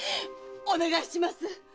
お願いします！